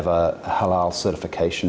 yang memiliki regimen sertifikasi halal